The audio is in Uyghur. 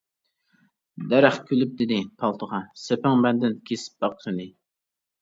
دەرەخ كۈلۈپ دېدى پالتىغا:-سېپىڭ مەندىن، كېسىپ باق قېنى!